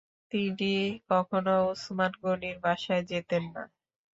তিনি কখনো ওসমান গনির বাসায় যেতেন না।